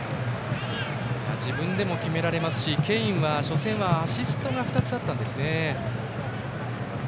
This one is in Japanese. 自分でも決められますしケインは、初戦ではアシストが２つあったんですね。